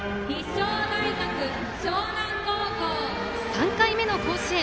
３回目の甲子園。